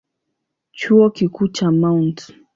Chuo Kikuu cha Mt.